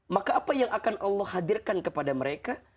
maka apa yang akan allah hadirkan kepada mereka